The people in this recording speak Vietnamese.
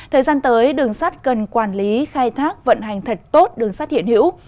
thời gian tới đường sắt cần quản lý khai thác vận hành thật tốt đường sắt hiện hữu